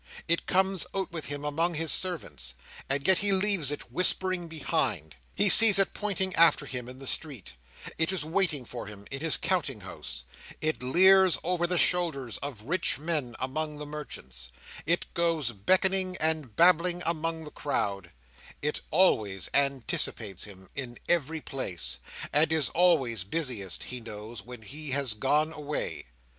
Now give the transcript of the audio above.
It comes out with him among his servants, and yet he leaves it whispering behind; he sees it pointing after him in the street; it is waiting for him in his counting house; it leers over the shoulders of rich men among the merchants; it goes beckoning and babbling among the crowd; it always anticipates him, in every place; and is always busiest, he knows, when he has gone away.